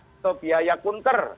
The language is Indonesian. atau biaya kunker